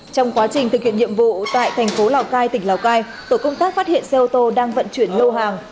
trong quá trình thực hiện nhiệm vụ tại thành phố lào cai tỉnh lào cai tổ công tác phát hiện xe ô tô đang vận chuyển lô hàng